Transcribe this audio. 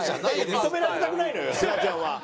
認められたくないのよすがちゃんは。